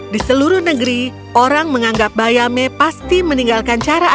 di seluruh negeri orang menganggap bayame pasti meninggalkan cara apapun